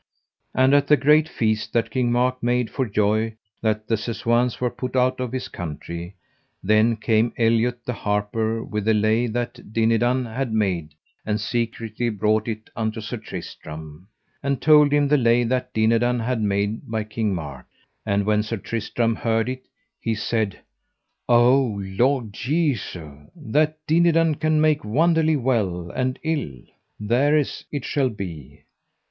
And at the great feast that King Mark made for joy that the Sessoins were put out of his country, then came Eliot the harper with the lay that Dinadan had made and secretly brought it unto Sir Tristram, and told him the lay that Dinadan had made by King Mark. And when Sir Tristram heard it, he said: O Lord Jesu, that Dinadan can make wonderly well and ill, thereas it shall be.